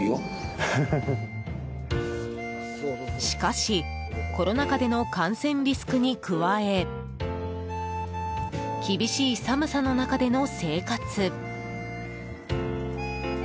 しかしコロナ禍での感染リスクに加え厳しい寒さの中での生活。